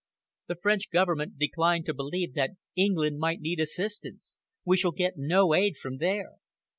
The French government declined to believe that England might need assistance. We shall get no aid from there."